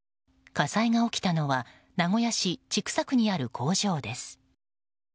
火災が起きたのは名古屋市千種区にある工場です。